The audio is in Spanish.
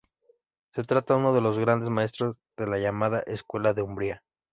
Se trata de uno de los grandes maestros de la llamada Escuela de Umbría.